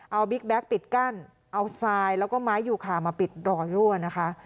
เอาบิ๊กแก๊กปิดกั้นเอาทรายแล้วก็ไม้ยูคามาปิดรอยรั่วนะคะ